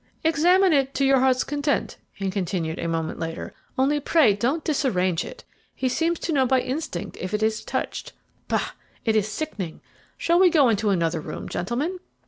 "Examine it to your heart's content," he continued a moment later; "only pray don't disarrange it he seems to know by instinct if it is touched. Bah! it is sickening. Shall we go into another room, gentlemen?"